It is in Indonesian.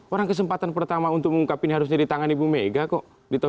orang kesempatan pertama untuk mengungkap ini harusnya di tangan ibu mega kok di tahun dua ribu satu